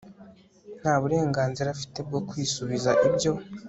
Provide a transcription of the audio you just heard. nta burenganzira afite bwo kwisubiza ibyo